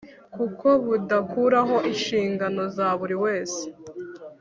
kuko budakuraho inshingano za buri wese